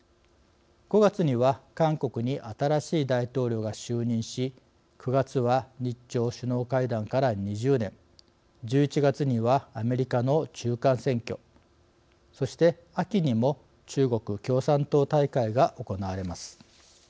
５月には韓国に新しい大統領が就任し９月は日朝首脳会談から２０年１１月にはアメリカの中間選挙そして秋にも中国共産党大会が行われます。